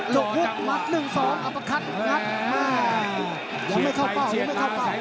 ตามต่อยกที่๓ครับ